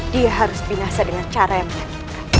dia harus binasa dengan cara yang baik